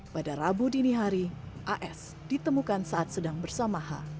pada rabu dini hari as ditemukan saat sedang bersama h